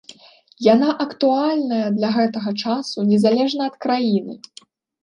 Яна актуальная для гэтага часу незалежна ад краіны.